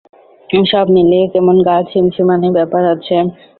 সব মিলিয়ে কেমন গা-ছিমছামানি ব্যাপার আছে।